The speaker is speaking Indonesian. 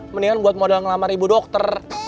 mendingan buat modal ngelamar ibu dokter